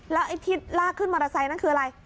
แล้วไอ้ที่ลากขึ้นมอเตอร์ไซค์นั่นคืออะไร